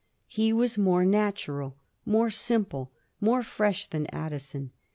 He was more natural, more simple, more fresh than Addison.